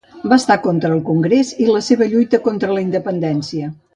Va estar contra el Congrés i la seva lluita contra la independència.